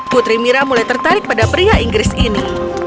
putri mira mulai tertarik pada pria inggris ini